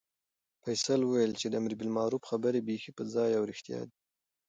فیصل وویل چې د امربالمعروف خبرې بیخي په ځای او رښتیا دي.